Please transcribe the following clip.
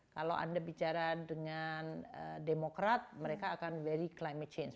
kalau anda bicara dengan demokrat mereka akan very climate change